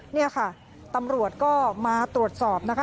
นี่ค่ะตำรวจก็มาตรวจสอบนะคะ